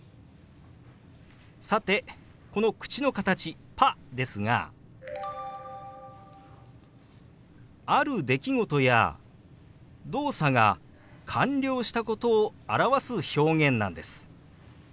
さてこの口の形「パ」ですがある出来事や動作が完了したことを表す表現なんです。